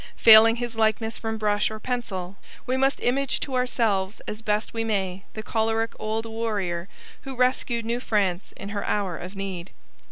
Failing his likeness from brush or pencil, we must image to ourselves as best we may the choleric old warrior who rescued New France in her hour of need.